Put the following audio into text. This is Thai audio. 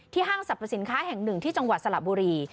ที่ห้างสรรพสินค้าแห่ง๑ที่จังหวัดสลับบุรี